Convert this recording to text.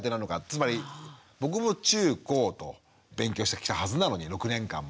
つまり僕も中高と勉強してきたはずなのに６年間も。